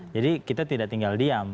jadi kita tidak tinggal diam